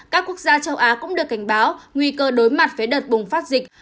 các quốc gia châu á cũng được cảnh báo nguy cơ đối mặt với đợt bùng phát dịch